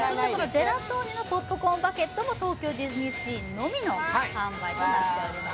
ジェラトーニのポップコーンバケットも東京ディズニーシーだけとなっています。